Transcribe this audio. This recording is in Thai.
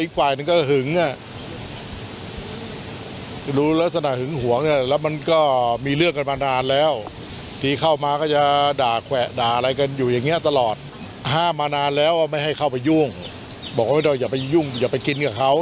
เข้าไปยุ่งบอกเขาไม่ต้องอย่าไปยุ่งอย่าไปกินกับเขา